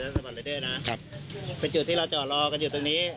สวัสดีครับครับเป็นจุดที่เราจอดรอกันอยู่ตรงนี้